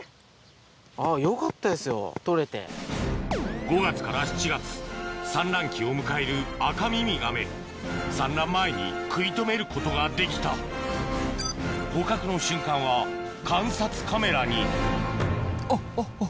あぁよかったですよ捕れて。を迎えるアカミミガメ産卵前に食い止めることができた捕獲の瞬間は観察カメラにあっあっあっ